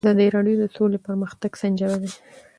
ازادي راډیو د سوله پرمختګ سنجولی.